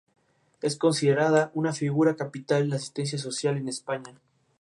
Él era un miembro del elenco del show de variedad "We Got Married".